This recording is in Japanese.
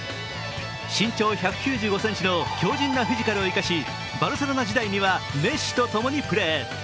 身長１９５ｃｍの強じんなフィジカルを生かしバルセロナ時代にはメッシと共にプレー。